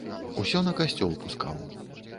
Усё на касцёл пускаў.